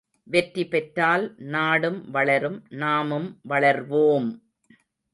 வெற்றி பெற்றால் நாடும் வளரும் நாமும் வளர்வோம்!